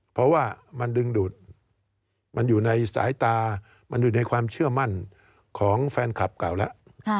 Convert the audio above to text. เพราะว่ามันดึงดูดมันอยู่ในสายตามันอยู่ในความเชื่อมั่นของแฟนคลับเก่าแล้ว